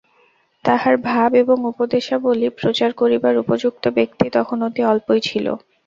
তাঁহার ভাব ও উপদেশাবলী প্রচার করিবার উপযুক্ত ব্যক্তি তখন অতি অল্পই ছিল।